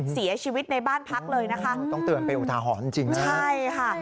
เสียชีวิตในบ้านพักเลยนะคะต้องเตือนเป็นอุทาหอนจริงใช่ค่ะ